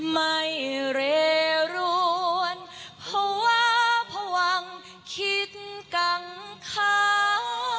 ไม่ระรวนภาวะพวังคิดกังคา